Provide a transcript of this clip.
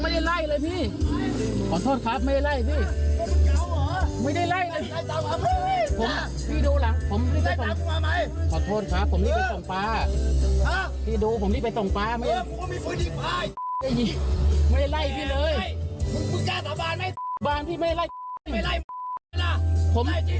ตามหลังพี่ตั้งไกลเมื่อกี้